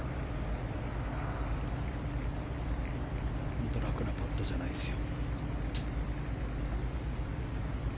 本当楽なパットじゃないですよ。